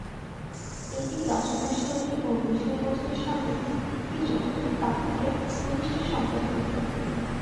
এটির রচনাশৈলী ও বিষয়বস্তুর সঙ্গে তিনটি যোহনীয় পত্রের ঘনিষ্ঠ সম্পর্ক বিদ্যমান।